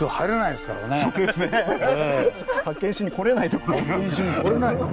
発見しに来れない所なんです。